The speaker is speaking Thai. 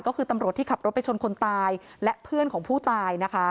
ก็คือตำรวจที่ขับรถไปชนคนตายและเพื่อนของผู้ตายนะคะ